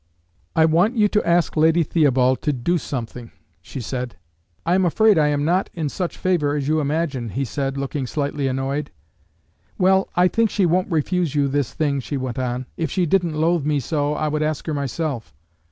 "I want you to ask Lady Theobald to do something," she said. "I am afraid I am not in such favor as you imagine," he said, looking slightly annoyed. "Well, I think she won't refuse you this thing," she went on. "If she didn't loathe me so, I would ask her myself."